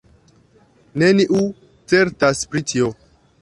Neniu certas pri tio.